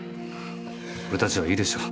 俺たちはいいでしょう。